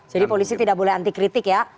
jadi polri tidak boleh anti kritik ya